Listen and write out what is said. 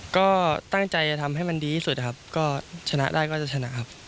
ก็ตั้งใจจะทำให้มันดีที่สุดครับก็ชนะได้ก็จะชนะครับ